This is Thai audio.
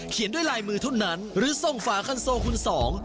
ด้วยลายมือเท่านั้นหรือส่งฝาคันโซคุณสอง